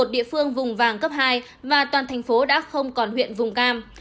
một mươi một địa phương vùng vàng cấp hai và toàn thành phố đã không còn huyện vùng cam